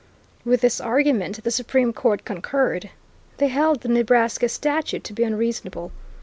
With this argument the Supreme Court concurred. They held the Nebraska statute to be unreasonable.